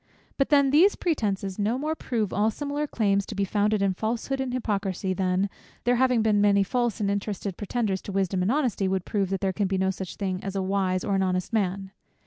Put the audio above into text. But then these pretences no more prove all similar claims to be founded in falsehood and hypocrisy, than there having been many false and interested pretenders to wisdom and honesty, would prove that there can be no such thing as a wise or an honest man.